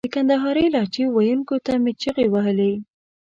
د کندهارۍ لهجې ویونکو ته مې چیغې وهلې.